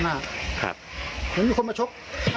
แต่ไม่มีคนไม่ชบ